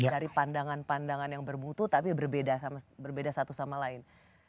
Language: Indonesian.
dari pandangan pandangan yang bermutu tapi berbeda satu sama lain